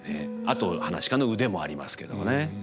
あと噺家の腕もありますけどもね。